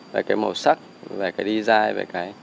về cái màu sắc về cái design về cái